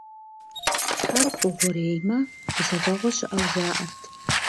Хьэр къугъуреймэ, гузэвэгъуэ щыӏэу жаӏэрт.